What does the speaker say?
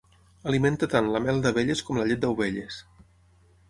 Alimenta tant la mel d'abelles com la llet d'ovelles.